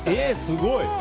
すごい。